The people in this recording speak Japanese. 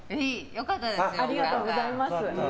良かったですよ。